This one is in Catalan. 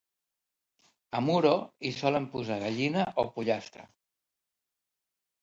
A Muro hi solen posar gallina o pollastre